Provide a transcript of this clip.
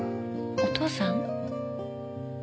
お父さん？